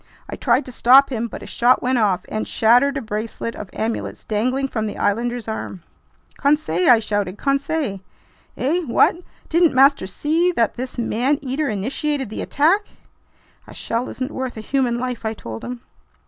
I tried to stop him, but his shot went off and shattered a bracelet of amulets dangling from the islander's arm. "Conseil!" I shouted. "Conseil!" "Eh? What? Didn't master see that this man eater initiated the attack?" "A shell isn't worth a human life!" I told him.